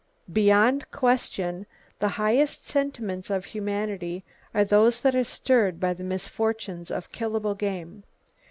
Beyond question, the highest sentiments of humanity are those that are stirred by the misfortunes of killable game.